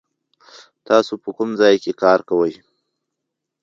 تاسو په کوم ځای کې کار کوئ؟